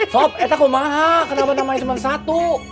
sob itu kok mahal kenapa namanya cuma satu